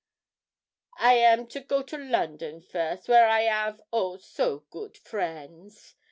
'I am to go to London first, where I 'av, oh, so good friends!